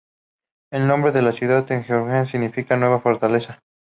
El nombre de la ciudad en georgiano significa "nueva fortaleza".